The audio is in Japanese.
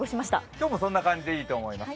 今日もそんな感じでいいと思います。